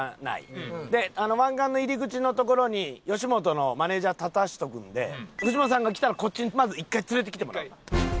で湾岸の入り口の所に吉本のマネージャー立たせとくんで藤本さんが来たらこっちにまず１回連れてきてもらう。